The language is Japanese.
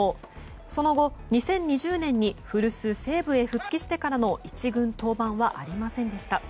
その後、２０２０年に古巣・西武へ復帰してからの１軍登板はありませんでした。